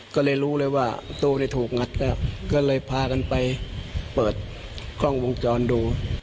ก็เลยรู้เลยว่าตู้ถูกงัดแล้วก็เลยพากันไปเปิดกล้องวงจรดู